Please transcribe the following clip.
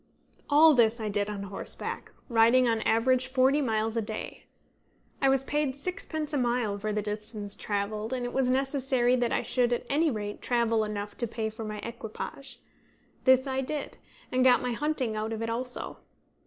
All this I did on horseback, riding on an average forty miles a day. I was paid sixpence a mile for the distance travelled, and it was necessary that I should at any rate travel enough to pay for my equipage. This I did, and got my hunting out of it also.